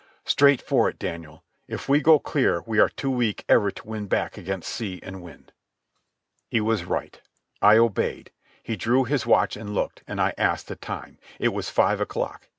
"Straight for it, Daniel. If we go clear we are too weak ever to win back against sea and wind." He was right. I obeyed. He drew his watch and looked, and I asked the time. It was five o'clock.